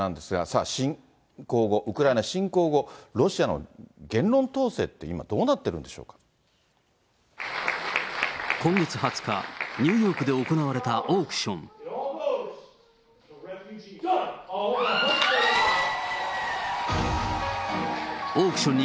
さあ、侵攻後、ウクライナ侵攻後、ロシアの言論統制って、今、どう今月２０日、ニューヨークで行われたオークション。